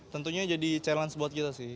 tentunya jadi challenge buat kita sih